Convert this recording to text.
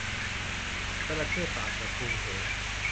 จระเข้ปากกระทุงเหว